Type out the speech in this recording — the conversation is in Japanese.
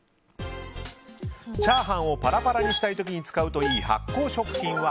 チャーハンをパラパラにしたい時に使うといい発酵食品は？